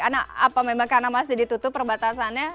karena apa memang karena masih ditutup perbatasannya